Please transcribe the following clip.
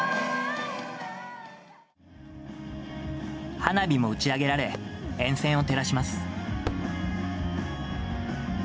花火も打ち上げられ、沿線を照らします。